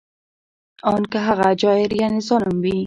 ان که هغه جائر یعنې ظالم وي